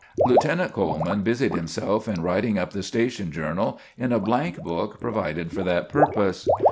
Lieutenant Coleman busied himself in writing up the station journal in a blank book provided for that purpose.